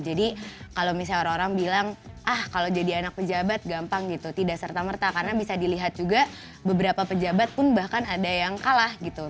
jadi kalau misalnya orang orang bilang ah kalau jadi anak pejabat gampang gitu tidak serta merta karena bisa dilihat juga beberapa pejabat pun bahkan ada yang kalah gitu